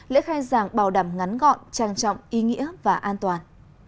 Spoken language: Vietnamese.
lễ khai giảng bảo đảm ngắn gọn trang trọng ý nghĩa và an toàn